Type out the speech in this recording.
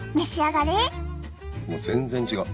もう全然違う。